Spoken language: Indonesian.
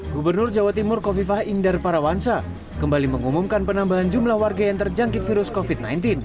gubernur jawa timur kofifah indar parawansa kembali mengumumkan penambahan jumlah warga yang terjangkit virus covid sembilan belas